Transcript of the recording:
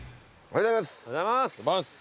おはようございます。